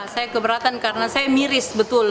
saya keberatan karena saya miris betul